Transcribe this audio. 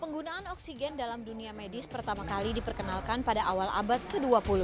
penggunaan oksigen dalam dunia medis pertama kali diperkenalkan pada awal abad ke dua puluh